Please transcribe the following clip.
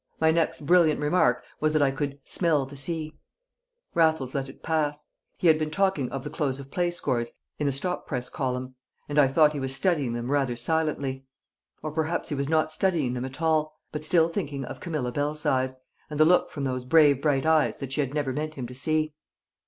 My next brilliant remark was that I could "smell the sea." Raffles let it pass; he had been talking of the close of play scores in the stop press column, and I thought he was studying them rather silently. Or perhaps he was not studying them at all, but still thinking of Camilla Belsize, and the look from those brave bright eyes that she had never meant him to see.